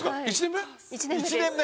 １年目？